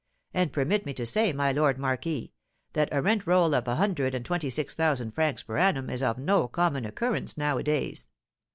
And permit me to say, my lord marquis, that a rent roll of a hundred and twenty six thousand francs per annum is of no common occurrence nowadays."